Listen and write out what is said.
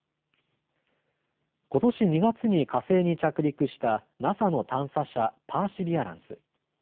ことし２月に火星に着陸したＮＡＳＡの探査車、パーシビアランス。